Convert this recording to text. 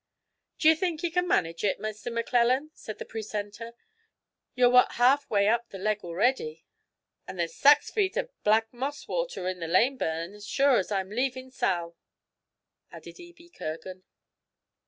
'Do you think ye can manage it, Maister Maclellan?' said the precentor. 'Ye're wat half way up the leg already.' 'An' there's sax feet o' black moss water in the Laneburn as sure as I'm a leevin' sowl,' added Ebie Kirgan.